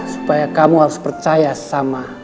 supaya kamu harus percaya sama